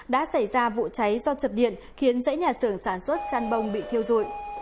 đã xảy ra vụ cháy do chập điện khiến dãy nhà xưởng sản xuất chăn bông bị thiêu dụi